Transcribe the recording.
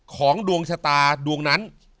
ของดวงชะตาดวงนั้น